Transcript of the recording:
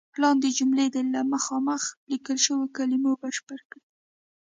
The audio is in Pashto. لاندې جملې دې له مخامخ لیکل شوو کلمو بشپړې کړئ.